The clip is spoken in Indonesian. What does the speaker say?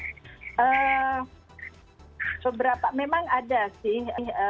seberapa memang ada sih